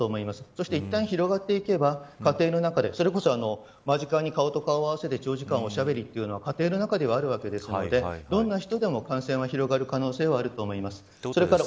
そして、いったん広がっていけば家庭の中でそれこそ間近に顔と顔を合わせて長時間おしゃべりというのは家庭の中ではあるわけなのでどんな人でも感染が広がる可能性はあると思います。